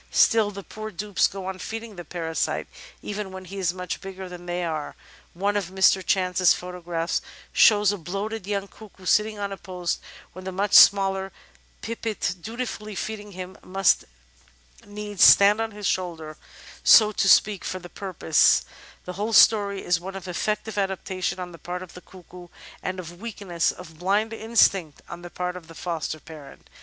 Still the poor dupes go on feeding the parasite, even when he is much bigger than they are ; one of Mr. Chance's photographs shows a bloated ~'i\i Natural History 425 young cuckoo sitting on a post, while the much smaUer pipit duti fully feeding him must needs stand on his shoulder, so to speak, for the purpose I The whole story is one of effective adaptation on the part of the Cuckoo and of the weakness of blind instinct on the part of the foster parent.